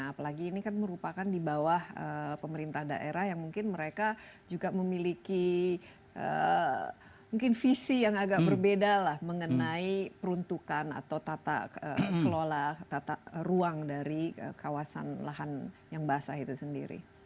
apalagi ini kan merupakan di bawah pemerintah daerah yang mungkin mereka juga memiliki mungkin visi yang agak berbeda lah mengenai peruntukan atau tata kelola tata ruang dari kawasan lahan yang basah itu sendiri